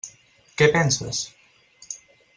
Què penses?